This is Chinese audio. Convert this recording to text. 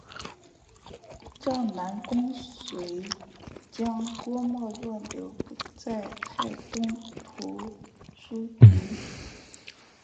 赵南公遂将郭沫若留在泰东图书局。